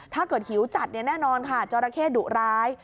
ถ้าเกิดหิวจัดแน่นอนค่ะจอระเข้ดุร้าย